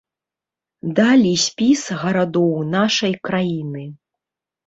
Далі спіс гарадоў нашай краіны.